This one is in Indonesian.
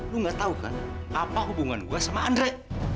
lu nggak tau kan apa hubungan gua sama andre